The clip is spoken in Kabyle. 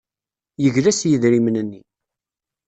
Yegla s yidrimen-nni.